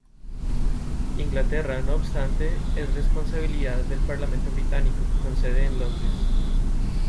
Inglaterra, no obstante, es responsabilidad del parlamento británico, con sede en Londres.